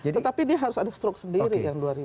tetapi dia harus ada struk sendiri yang rp dua